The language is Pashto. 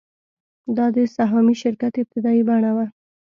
دا د سهامي شرکت ابتدايي بڼه وه